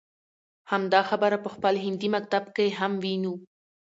همدا خبره په خپل هندي مکتب کې هم وينو.